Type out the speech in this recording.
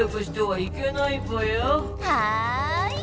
はい！